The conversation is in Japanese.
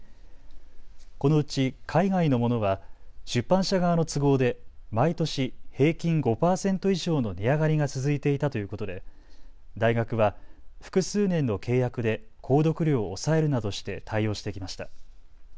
このうち海外のものは出版社側の都合で毎年平均５％以上の値上がりが続いていたということで大学は複数年の契約で購読料を抑えるなどして対応してきました。